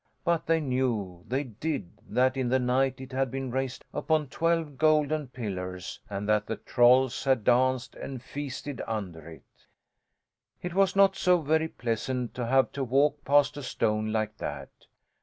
But they knew, they did, that in the night it had been raised upon twelve golden pillars and that the trolls had danced and feasted under it. It was not so very pleasant to have to walk past a stone like that!